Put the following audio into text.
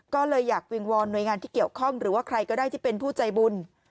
ก็เลยอยากวิงวอนหน่วยงานที่เกี่ยวข้องหรือว่าใครก็ได้ที่เป็นผู้ใจบุญ